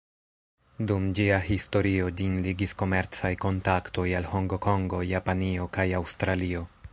Dum ĝia historio, ĝin ligis komercaj kontaktoj al Hongkongo, Japanio kaj Aŭstralio.